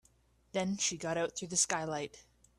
Then she got out through the skylight.